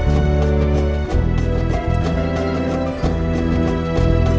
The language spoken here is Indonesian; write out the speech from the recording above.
kau gregory akan membunuh untuk personnel